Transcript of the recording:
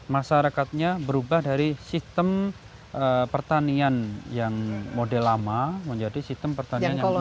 masyarakatnya berubah dari sistem pertanian yang model lama menjadi sistem pertanian yang benar